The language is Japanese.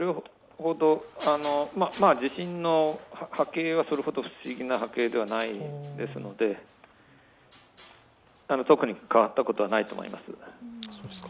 地震の波形はそれほど不思議な波形ではないですので、特に変わったことはないと思います。